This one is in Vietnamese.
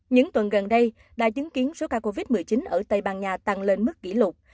những tuần gần đây đã chứng kiến số ca covid một mươi chín ở tây ban nha tăng lên mức kỷ lục